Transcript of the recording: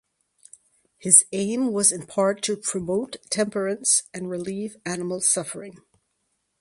His aim was in part to "promote temperance and relieve animal suffering".